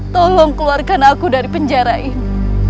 tolong keluarkan aku dari penjara ini